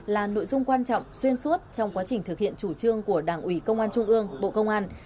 là nội dung quan trọng xuyên suốt trong quá trình thực hiện chủ trương của đảng ủy công an trung ương bộ công an